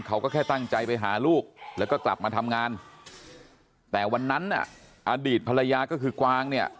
เขาก็แค่ตั้งใจไปหาลูกแล้วก็กลับมาทำงานแต่วันนั้นน่ะอดีตภรรยาก็คือกวางเนี่ย